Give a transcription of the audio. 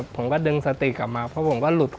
ผมก็ดึงสติกลับมาเพราะผมก็หลุด